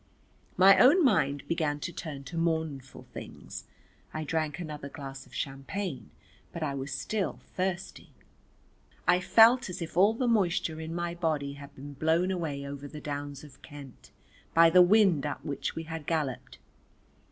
My own mind began to turn to mournful things. I drank another glass of champagne, but I was still thirsty. I felt as if all the moisture in my body had been blown away over the downs of Kent by the wind up which we had galloped.